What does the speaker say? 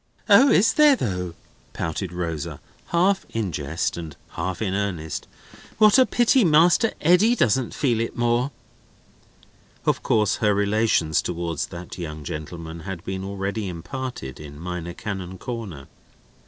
"O! is there though?" pouted Rosa, half in jest and half in earnest. "What a pity Master Eddy doesn't feel it more!" Of course her relations towards that young gentleman had been already imparted in Minor Canon Corner.